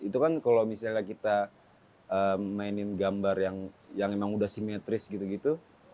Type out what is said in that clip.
itu kan kalau misalnya kita mainin gambar yang emang udah simetris gitu gitu